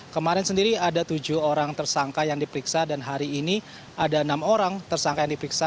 kemarin sendiri ada tujuh orang tersangka yang diperiksa dan hari ini ada enam orang tersangka yang diperiksa